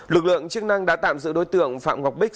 lực lượng chức năng đã tạm giữ đối tượng phạm ngọc bích